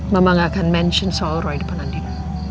mama gak akan menyebut soal roy di depan andin